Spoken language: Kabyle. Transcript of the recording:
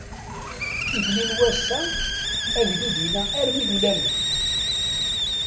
Tikli n wassa, agdud yella armi d ulamek!